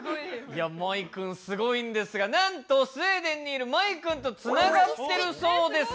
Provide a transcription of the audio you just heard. いや舞くんすごいんですがなんとスウェーデンにいる舞くんとつながってるそうです。